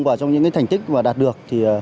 và trong những thành tích đạt được